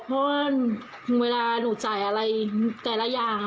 เพราะว่าเวลาหนูจ่ายอะไรแต่ละอย่าง